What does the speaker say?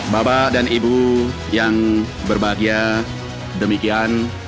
bapak dan ibu yang berbahagia demikian